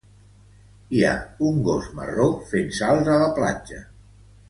Hi ha un gos marró fent salts a la platja.